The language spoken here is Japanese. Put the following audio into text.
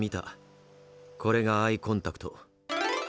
これがアイコンタクト。